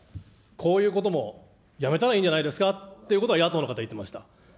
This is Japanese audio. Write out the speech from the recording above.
こういうこともやめたらいいんじゃないですかということも、野党の方言ってました。